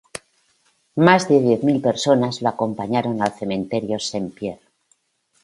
Más de diez mil personas lo acompañaron al Cementerio Saint-Pierre.